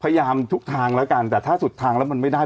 พยายามทุกทางแล้วกันแต่ถ้าสุดทางแล้วมันไม่ได้